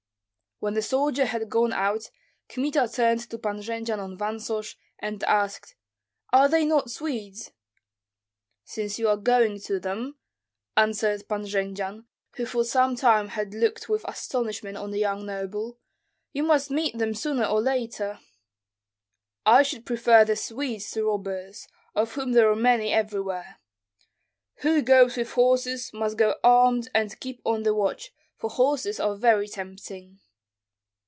When the soldier had gone out, Kmita turned to Pan Jendzian of Vansosh and asked, "Are they not Swedes?" "Since you are going to them," answered Pan Jendzian, who for some time had looked with astonishment on the young noble, "you must meet them sooner or later." "I should prefer the Swedes to robbers, of whom there are many everywhere. Whoso goes with horses must go armed and keep on the watch, for horses are very tempting."